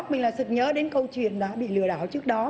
mình là sự nhớ đến câu chuyện đã bị lừa đảo trước đó